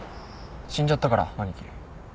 死んじゃったから兄貴。